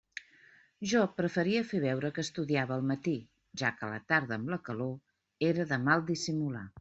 Jo preferia fer veure que estudiava al matí, ja que a la tarda amb la calor, era de mal dissimular.